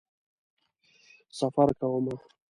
سفر کومه